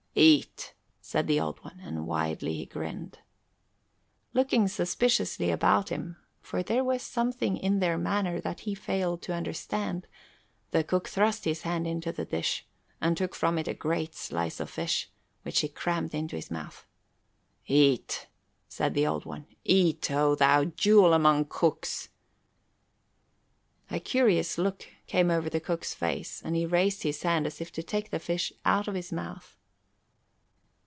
"Eat," said the Old One and widely he grinned. Looking suspiciously about him, for there was something in their manner that he failed to understand, the cook thrust his hand into the dish and took from it a great slice of fish, which he crammed into his mouth. "Eat," said the Old One, "eat, O thou jewel among cooks!" A curious look came over the cook's face and he raised his hand as if to take the fish out of his mouth.